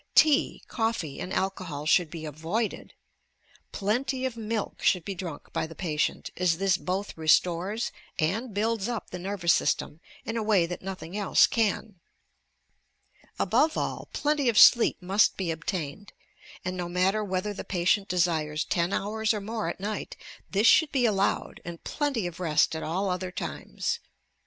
Tea, coffee and alcohol should be avoided. Plenty of milk should be dnuik by the patient, as this both restores and builds up the nervous system in a way that nothing else can. Above all, plenty of sleep must be obtained, and, no matter whether the patient desires ten hours or more at night, this should be allowed, and plenty of rest at all other times.